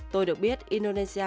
tôi được biết indonesia